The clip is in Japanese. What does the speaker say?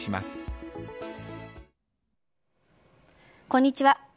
こんにちは。